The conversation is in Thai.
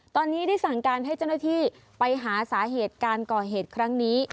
ตอนนี้ได้สั่งการให้เจ้าหน้าที่ไปหาสาเหตุการก่อเหตุครั้งนี้